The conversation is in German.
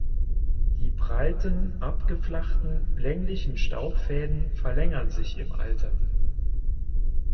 Die breiten, abgeflachten, länglichen Staubfäden verlängern sich im Alter.